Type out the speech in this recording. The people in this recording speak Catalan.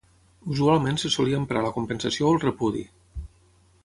Usualment se solia emprar la compensació o el repudi.